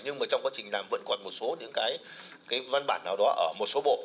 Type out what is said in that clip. nhưng mà trong quá trình làm vẫn còn một số những cái văn bản nào đó ở một số bộ